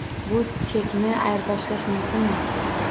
Bu chekni ayirboshlash mumkinmi?